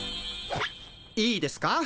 いいですか？